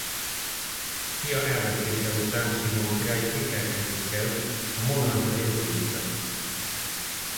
Fia elvesztése után Simon király kételkedni kezd a monarchia jövőjében.